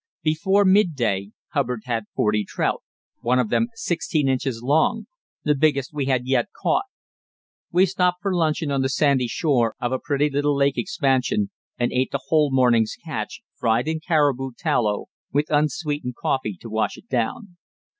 Before midday Hubbard had forty trout, one of them sixteen inches long the biggest we had caught yet. We stopped for luncheon on the sandy shore of a pretty little lake expansion, and ate the whole morning's catch, fried in caribou tallow, with unsweetened coffee to wash it down.